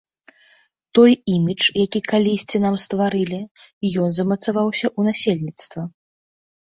Той імідж, які калісьці нам стварылі, ён замацаваўся ў насельніцтва.